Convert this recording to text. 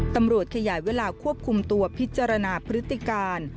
ตำรวจขยายเวลาควบคุมตัวพิจารณาพฤติการ